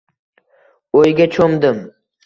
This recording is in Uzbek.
O`yga cho`mdim